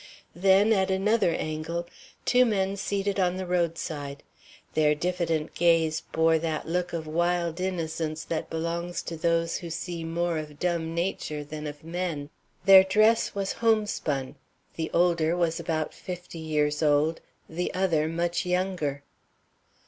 Then, at another angle, two men seated on the roadside. Their diffident gaze bore that look of wild innocence that belongs to those who see more of dumb nature than of men. Their dress was homespun. The older was about fifty years old, the other much younger.